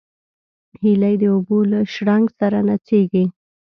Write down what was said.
هیلۍ د اوبو له شرنګ سره نڅېږي